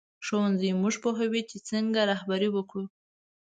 ښوونځی موږ پوهوي چې څنګه رهبري وکړو